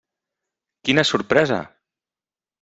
Quina sorpresa!